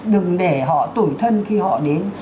đừng để họ tủi thân khi họ đến